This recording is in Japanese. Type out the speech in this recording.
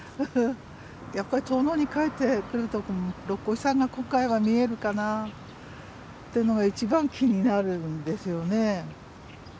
やっぱり遠野に帰ってくると六角牛山が今回は見えるかなっていうのが一番気になるんですよね。